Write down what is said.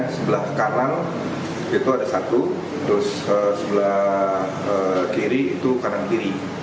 sebelah kanan itu ada satu terus sebelah kiri itu kanan kiri